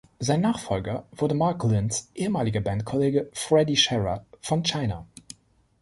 Sein Nachfolger wurde Marc Lynns ehemaliger Bandkollege Freddy Scherer von China.